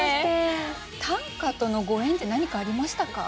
短歌とのご縁って何かありましたか？